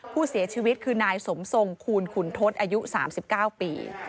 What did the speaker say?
ผู้เสียชีวิตคือนายสมทรงคูณขุนทศอายุ๓๙ปี